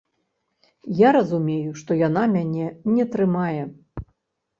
Я разумею, што яна мяне не трымае.